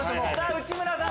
内村さん！